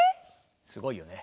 すごいよね。